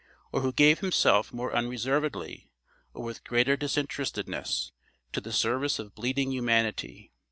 Or who gave himself more unreservedly, or with greater disinterestedness, to the service of bleeding humanity?